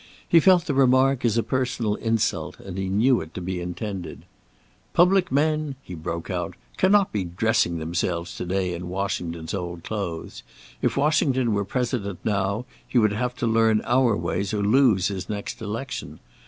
He felt the remark as a personal insult, and he knew it to be intended. "Public men," he broke out, "cannot be dressing themselves to day in Washington's old clothes. If Washington were President now, he would have to learn our ways or lose his next election.